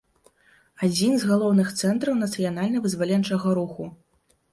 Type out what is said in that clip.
Адзін з галоўных цэнтраў нацыянальна-вызваленчага руху.